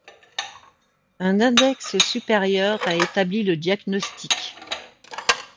Un index supérieur à établit le diagnostic.